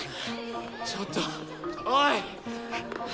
ちょっとおい！